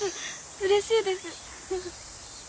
うれしいです。